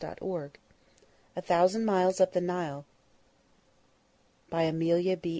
[Title Page] A THOUSAND MILES UP THE NILE BY AMELIA B.